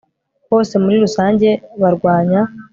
bose muri rusange barwanya